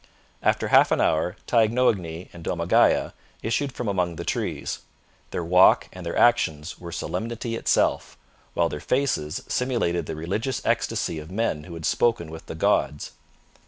After half an hour Taignoagny and Domagaya issued from among the trees. Their walk and their actions were solemnity itself, while their faces simulated the religious ecstasy of men who have spoken with the gods.